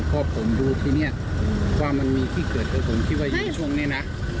เพราะผมรู้ที่นี่ว่ามันมีที่เกิดแต่ผมคิดว่าอยู่ช่วงนี้นะ